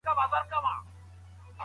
موږ په ګډه د اختر لمونځ ادا کړ.